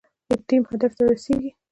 ټیم هدف ته رسیږي